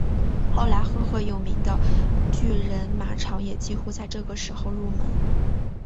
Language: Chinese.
后来赫赫有名的巨人马场也几乎在这个时候入门。